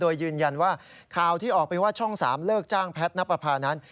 โดยยืนยันว่าข่าวที่ออกไปว่าช่อง๓เลิกจ้างแพทย์นับประพานั้น